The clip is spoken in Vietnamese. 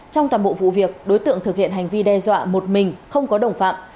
trong toàn bộ vụ việc đối tượng thực hiện hành vi đe dọa một mình không có đồng phạm